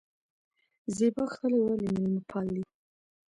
زیباک خلک ولې میلمه پال دي؟